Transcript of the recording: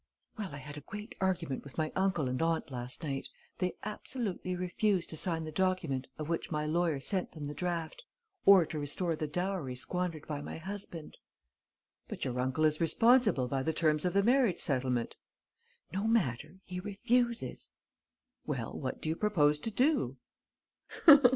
"Well, I had a great argument with my uncle and aunt last night. They absolutely refuse to sign the document of which my lawyer sent them the draft, or to restore the dowry squandered by my husband." "But your uncle is responsible by the terms of the marriage settlement." "No matter. He refuses." "Well, what do you propose to do?"